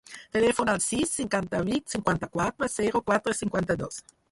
Telefona al sis, cinquanta-vuit, cinquanta-quatre, zero, quatre, cinquanta-dos.